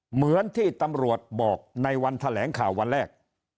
เหมือนที่ตำรวจบอกในวันแถลงข่าววันแรก